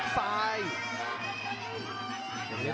ซ้าย